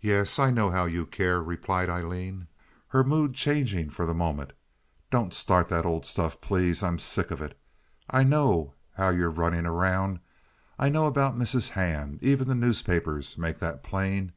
"Yes, I know how you care," replied Aileen, her mood changing for the moment. "Don't start that old stuff, please. I'm sick of it. I know how you're running around. I know about Mrs. Hand. Even the newspapers make that plain.